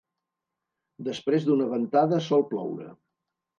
Després d'una ventada sol ploure.